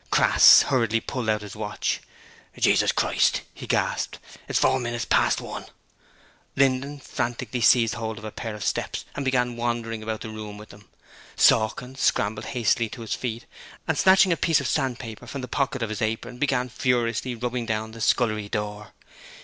Crass hurriedly pulled out his watch. 'Jesus Christ!' he gasped. 'It's four minutes past one!' Linden frantically seized hold of a pair of steps and began wandering about the room with them. Sawkins scrambled hastily to his feet and, snatching a piece of sandpaper from the pocket of his apron, began furiously rubbing down the scullery door.